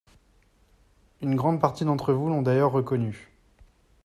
Une grande partie d’entre vous l’ont d’ailleurs reconnu.